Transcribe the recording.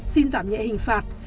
xin giảm nhẹ hình phạt